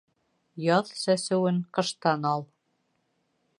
Яҙ сәсеүен ҡыштан ал.